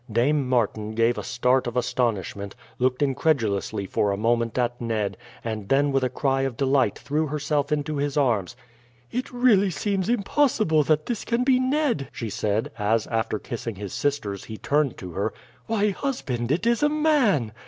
Dame Martin gave a start of astonishment, looked incredulously for a moment at Ned, and then with a cry of delight threw herself into his arms. "It really seems impossible that this can be Ned," she said, as, after kissing his sisters, he turned to her. "Why, husband, it is a man!"